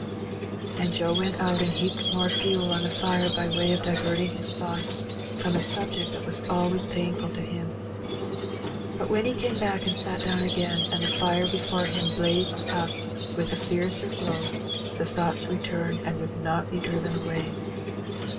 And Joe went out, and heaped more fuel on the fire by way of diverting his thoughts from a subject that was always painful to him. But when he came back and sat down again, and the fire before him blazed up with fiercer glow, the thoughts returned, and would not be driven I away.